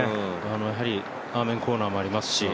アーメンコーナーもありますし。